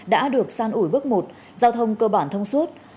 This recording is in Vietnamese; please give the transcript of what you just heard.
đã được san ủi bước một giao thông cơ bản thông suốt